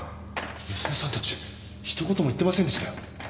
娘さんたちひと言も言ってませんでしたよ。